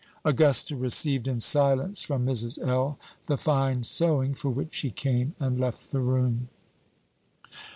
Augusta received in silence from Mrs. L. the fine sewing for which she came, and left the room.